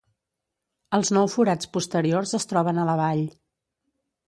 Els nous forats posteriors es troben a la vall.